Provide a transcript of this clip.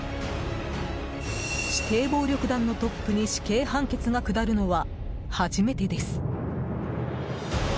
指定暴力団のトップに死刑判決が下るのは初めてです。